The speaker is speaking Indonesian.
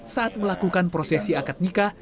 saat melakukan prosesi akad nikah